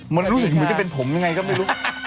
มันรู้สึกเหมือนจะเป็นผมยังไงก็ไม่รู้